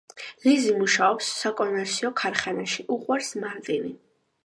ლიზი მუშაობს საკონსერვო ქარხანაში, უყვარს მარტინი.